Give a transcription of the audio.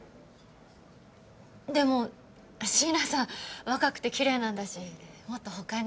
でも椎名さん若くてきれいなんだしもっと他に。